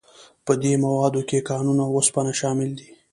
په دې موادو کې کانونه او اوسپنه شامل دي.